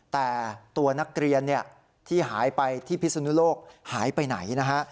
แต่ตัวนักเรียนที่หายไปที่พิศนุโลกหายไปไหนนะฮะ